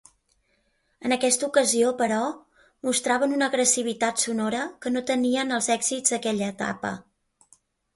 En aquesta ocasió, però, mostraven una agressivitat sonora que no tenien els èxits d'aquella etapa.